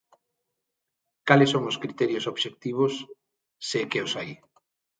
¿Cales son os criterios obxectivos, se é que os hai?